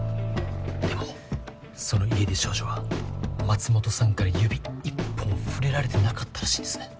でもその家出少女は松本さんから指一本触れられてなかったらしいんですね